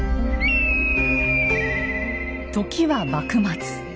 時は幕末。